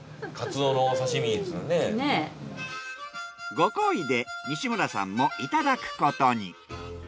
ご厚意で西村さんもいただくことに。